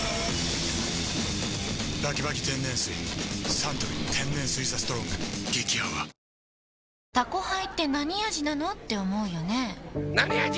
サントリー天然水「ＴＨＥＳＴＲＯＮＧ」激泡「タコハイ」ってなに味なのーって思うよねなに味？